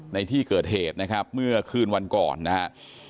ในที่เกิดเหตุนะครับเมื่อคืนวันก่อนนะครับ